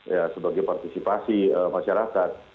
ya sebagai partisipasi masyarakat